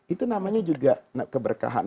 itu namanya juga keberkahan